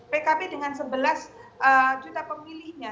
pkb dengan sebelas juta pemilihnya